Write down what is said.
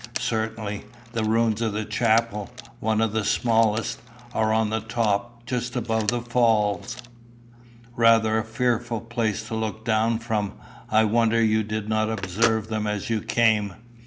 "Certainly. The ruins of the chapel, one of the smallest, are on the top, just above the fall rather a fearful place to look down from. I wonder you did not observe them as you came.